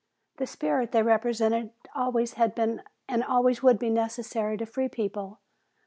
The spirit they represented always had been and always would be necessary to free people.